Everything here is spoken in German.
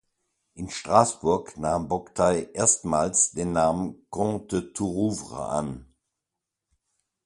In Straßburg nahm Boctey erstmals den Namen "Comte de Tourouvres" an.